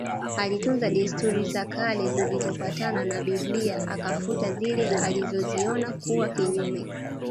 Alitunza desturi za kale zilizopatana na Biblia akafuta zile alizoziona kuwa kinyume